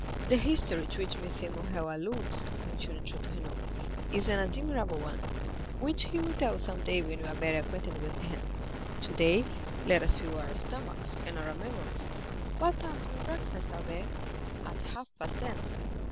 "The history to which M. Morrel alludes," continued Château Renaud, "is an admirable one, which he will tell you some day when you are better acquainted with him; today let us fill our stomachs, and not our memories. What time do you breakfast, Albert?" "At half past ten."